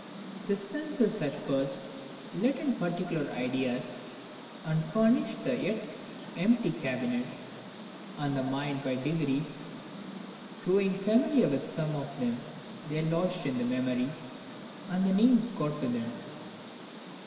The senses at first let in PARTICULAR ideas, and furnish the yet empty cabinet, and the mind by degrees growing familiar with some of them, they are lodged in the memory, and names got to them.